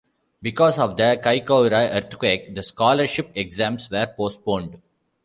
Because of the Kaikoura earthquake, the Scholarship exams were postponed.